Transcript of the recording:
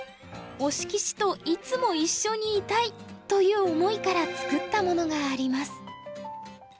「推し棋士といつも一緒にいたい」という思いから作ったものがあります。